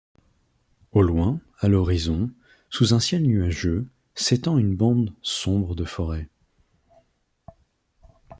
Au loin, à l'horizon, sous un ciel nuageux, s'étend une bande sombre de forêt.